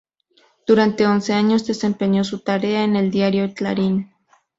Durante once años desempeñó su tarea en el diario Clarín.